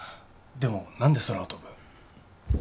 でも何で空を飛ぶ？